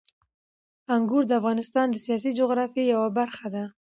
انګور د افغانستان د سیاسي جغرافیې یوه برخه ده.